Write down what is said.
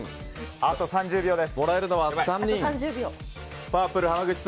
あと２０秒です。